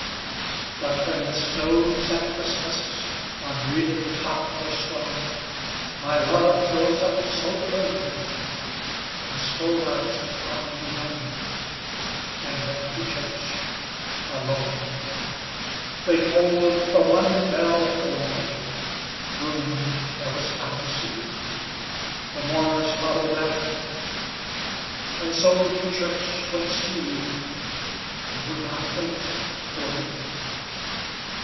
'But when the snows at ChristmasOn Bredon top were strown, My love rose up so earlyAnd stole out unbeknownAnd went to church alone. They tolled the one bell only, Groom there was none to see, The mourners followed after, And so to church went she, And would not wait for me.